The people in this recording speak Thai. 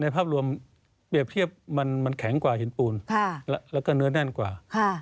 ภาพรวมเปรียบเทียบมันแข็งกว่าหินปูนแล้วก็เนื้อแน่นกว่า